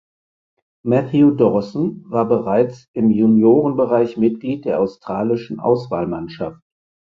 Matthew Dawson war bereits im Juniorenbereich Mitglied der australischen Auswahlmannschaft.